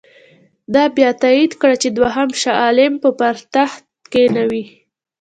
ده بیا تایید کړه چې دوهم شاه عالم به پر تخت کښېنوي.